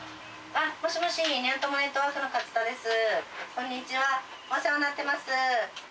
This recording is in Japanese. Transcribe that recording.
こんにちはお世話になってます。